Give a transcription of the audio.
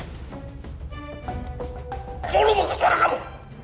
mulu mau ke suara kamu